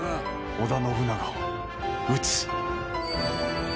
織田信長を討つ。